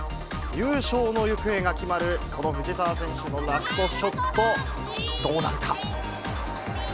優勝の行方が決まる、この藤澤選手のラストショット、どうなるか。